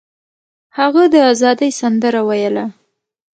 هغه د ازادۍ سندره ویله.